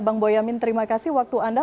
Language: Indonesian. bang boyamin terima kasih waktu anda